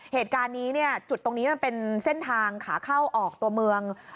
เหตุการณ์นี้เนี่ยจุดตรงนี้มันเป็นเส้นทางขาเข้าออกตัวเมือง